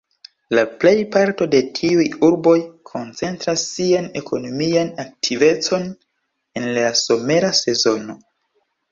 La plej parto de tiuj urboj koncentras sian ekonomian aktivecon en la somera sezono.